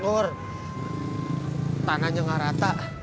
nur tanahnya nggak rata